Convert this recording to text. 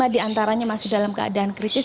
lima diantaranya masih dalam keadaan kritis